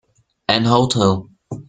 An hotel.